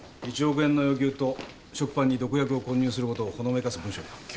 １億円の要求と食パンに毒薬を混入することをほのめかす文章だ。